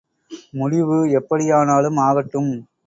முடிவு எப்படியானாலும் ஆகட்டும்!